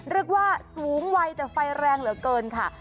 เรียกว่าสูงวัยแต่ไฟแรงเหลือเกินค่ะ